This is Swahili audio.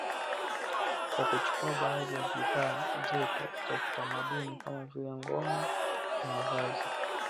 Kwa kuchukua baadhi ya bidhaa zetu za kitamaduni kama vile ngoma na mavazi